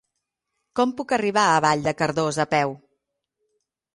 Com puc arribar a Vall de Cardós a peu?